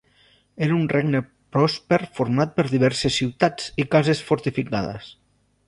Era un regne pròsper format per diverses ciutats i cases fortificades.